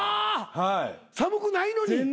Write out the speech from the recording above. あ！寒くないのに。